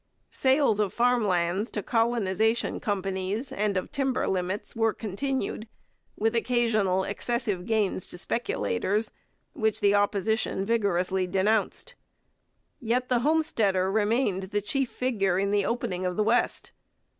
Sales of farm lands to colonization companies and of timber limits were continued, with occasional excessive gains to speculators, which the Opposition vigorously denounced. Yet the homesteader remained the chief figure in the opening of the West.